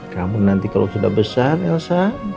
kamu nanti kalau sudah besar elsa